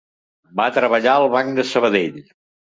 Va treballar al Banc de Sabadell.